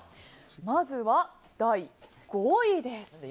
まずは第５位です。